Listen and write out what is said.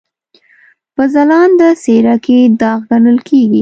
په ځلانده څېره کې داغ ګڼل کېږي.